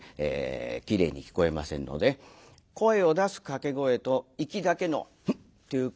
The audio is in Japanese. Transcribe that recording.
きれいに聞こえませんので声を出す掛け声とイキだけの「ん！」っていう声。